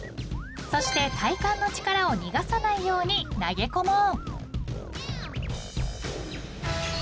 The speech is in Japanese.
［そして体幹の力を逃がさないように投げ込もう］